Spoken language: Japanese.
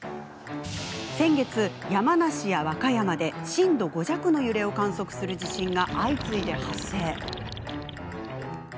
先月、山梨や和歌山で震度５弱の揺れを観測する地震が相次いで発生。